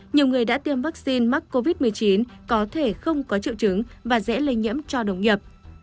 nhiều người đã tiêm vaccine mắc covid một mươi chín có thể không có triệu chứng và dễ lây nhiễm cho đồng nghiệp